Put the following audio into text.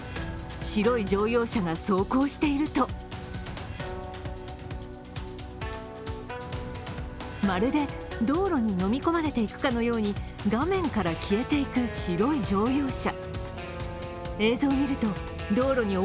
白い乗用車が走行しているとまるで道路にのみ込まれていくかのように画面から消えていく白い乗用車。